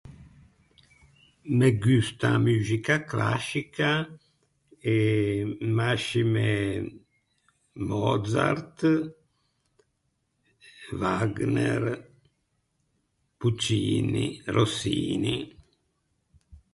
Me gusta a muxica clascica e mascime Mozart, Wagner, Puccini, Rossini.